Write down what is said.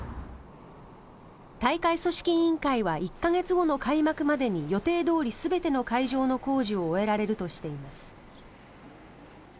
大会組織委員会は１か月後の開幕までに予定どおり、全ての会場の工事を終えられるとしています。